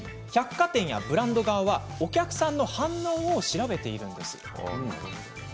百貨店やブランド側はお客さんの反応を調べているんです。